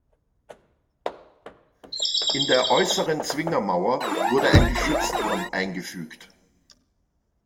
In der äußeren Zwingermauer wurde ein Geschützturm eingefügt.